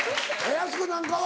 やす子なんかは？